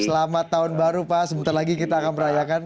selamat tahun baru pak sebentar lagi kita akan merayakan